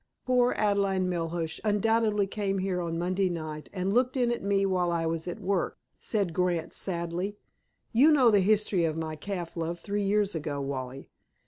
"Poor Adelaide Melhuish undoubtedly came here on Monday night and looked in at me while I was at work," said Grant sadly. "You know the history of my calf love three years ago, Wally."